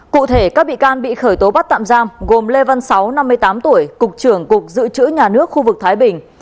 cụ thể các bị can bị khởi tố bắt tạm giam gồm lê văn sáu năm mươi tám tuổi cục trưởng cục dự trữ nhà nước khu vực thái bình